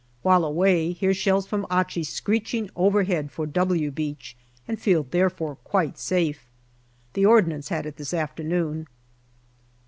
While away, hear shells from Achi screeching overhead for " W" Beach, and feel therefore quite safe. The Ordnance had it this afternoon.